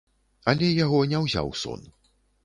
Але яго не ўзяў сон.